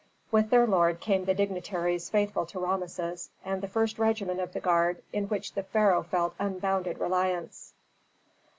With their lord came the dignitaries faithful to Rameses, and the first regiment of the guard in which the pharaoh felt unbounded reliance.